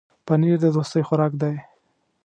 پنېر د دوستۍ خوراک دی.